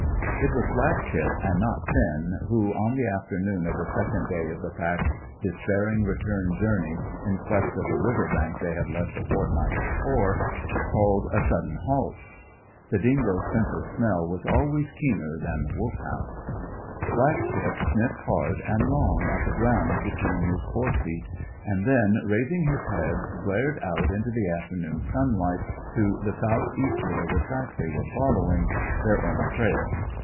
It was Black tip, and not Finn, who, on the afternoon of the second day of the pack's despairing return journey in quest of the river bank they had left a fortnight before, called a sudden halt. (The dingo's sense of smell was always keener than the Wolfhound's.) Black tip sniffed hard and long at the ground between his fore feet, and then, raising his head, glared out into the afternoon sunlight to the south eastward of the track they were following their own trail.